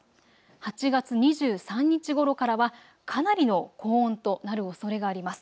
８月２３日ごろからはかなりの高温となるおそれがあります。